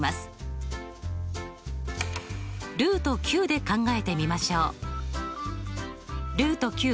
で考えてみましょう。